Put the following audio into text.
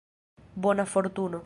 Bona fortuno.